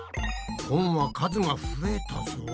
本は数が増えたぞ。